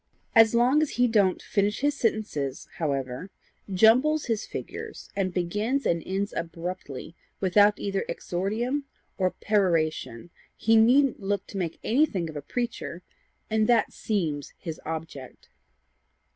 As long as he don't finish his sentences however, jumbles his figures, and begins and ends abruptly without either exordium or peroration, he needn't look to make anything of a preacher and that seems his object."